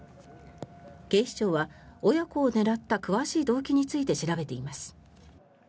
警視庁は親子を狙った詳しい動機について調べています。